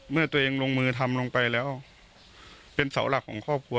เมื่อตัวเองลงมือทำลงไปแล้วเป็นเสาหลักของครอบครัว